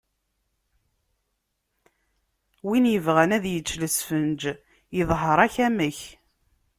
Win yebɣan ad yečč lesfenǧ, iḍher-ak amek.